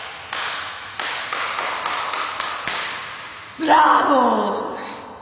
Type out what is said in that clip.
ブラボー！